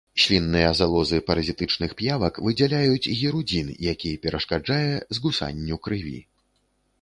Слінныя залозы паразітычных п'явак выдзяляюць гірудзін, які перашкаджае згусанню крыві.